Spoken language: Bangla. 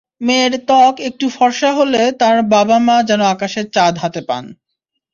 মেয়ের ত্বক একটু ফরসা হলে তার বাবা–মা যেন আকাশের চাঁদ হাতে পান।